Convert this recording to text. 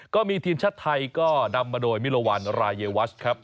ก็มีทีมชาติไทยก็นำมาโดยมิลวันรายวัชครับ